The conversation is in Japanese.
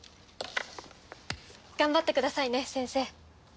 頑張ってくださいね先生。